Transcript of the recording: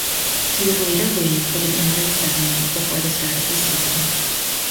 He was later waived with an injury settlement before the start of the season.